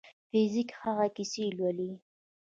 فزیک هغه کیسې لولي.